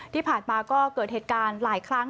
ที่ผ่านมาก็เกิดเหตุการณ์หลายครั้ง